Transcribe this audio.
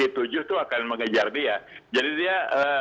itu akan mengejar dia jadi dia